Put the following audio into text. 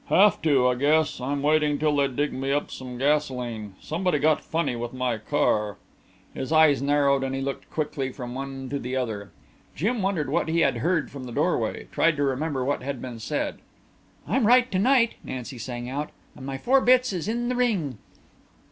"Have to, I guess. I'm waiting till they dig me up some gasolene. Somebody got funny with my car." His eyes narrowed and he looked quickly from one to the other. Jim wondered what he had heard from the doorway tried to remember what had been said. "I'm right to night," Nancy sang out, "and my four bits is in the ring."